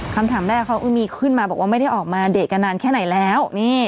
คำถามแรกเขามีขึ้นมาบอกว่าไม่ได้ออกมาเดทกันนานแค่ไหนแล้ว